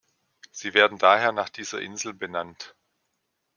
Sie werden daher nach dieser Insel benannt.